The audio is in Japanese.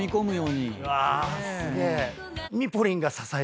うわすげえ。